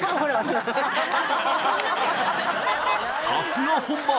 さすが本場！